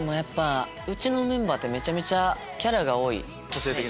うちのメンバーってめちゃめちゃキャラが多い。